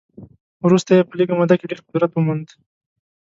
وروسته یې په لږه موده کې ډېر قدرت وموند.